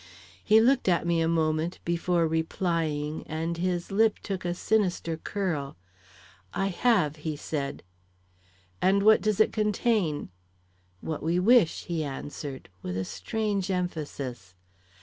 He looked at me a moment before replying and his lip took a sinister curl. 'I have,' he said. 'And what does it contain?' 'What we wish,' he answered, with a strange emphasis.